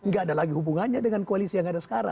gak ada lagi hubungannya dengan koalisi yang ada sekarang